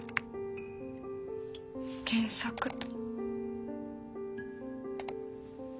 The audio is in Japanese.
検索と。